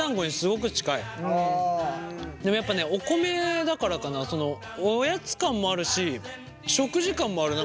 でもやっぱねお米だからかなおやつ感もあるし食事感もある。